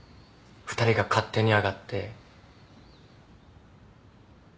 ２人が勝手に上がって。